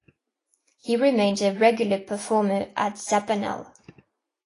He remains a regular performer at Zappanale.